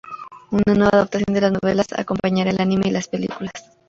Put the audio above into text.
Una nueva adaptación de novelas acompañará el anime y las películas.